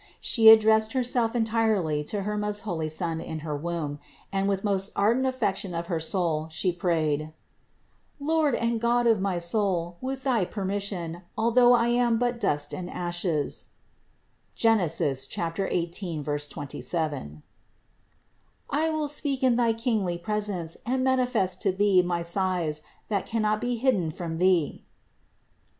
She addressed Herself entirely to her most holy Son in her womb, and with most ardent affection of her soul She prayed: "Lord and God of my soul, with thy permission, although I am but dust and ashes (Gen. 18, 27), I will speak in thy kingly presence and manifest to Thee my sighs, that cannot be hidden from Thee (Ps.